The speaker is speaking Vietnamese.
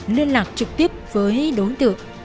liên lạc trực tiếp với đối tượng